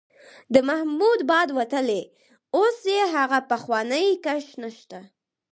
د محمود باد وتلی، اوس یې هغه پخوانی کش نشته.